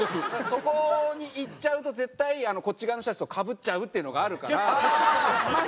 そこにいっちゃうと絶対こっち側の人たちとかぶっちゃうっていうのがあるからまず。